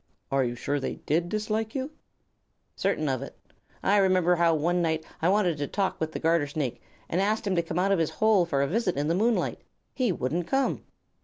"Are you sure they did dislike you?" "Certain of it. I remember how one night I wanted to talk with the Garter Snake, and asked him to come out of his hole for a visit in the moonlight. He wouldn't come."